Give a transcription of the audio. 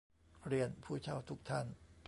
เรียน ผู้เช่าทุกท่าน